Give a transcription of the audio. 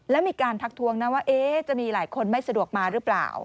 แล้วมีการทักทวงนะว่าจะมีหลายคนไม่สะดวกมาหรือเปล่า